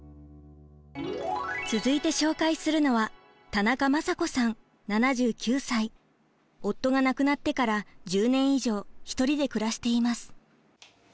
続いて紹介するのは夫が亡くなってから１０年以上一人で暮らしています。